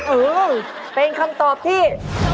เออเป็นคำตอบที่